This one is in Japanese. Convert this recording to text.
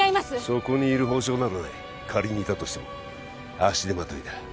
そこにいる保証などない仮にいたとしても足手まといだ